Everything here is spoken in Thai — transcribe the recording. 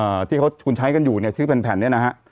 เอ่อที่เขาคุณใช้กันอยู่เนี่ยคือเป็นแผ่นนี้นะฮะ